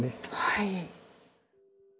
はい。